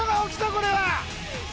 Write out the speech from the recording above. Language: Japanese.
これは。